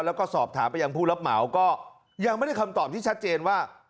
แล้วก็สอบถามไปยังผู้รับเหมาก็ยังไม่ได้คำตอบที่ชัดเจนว่า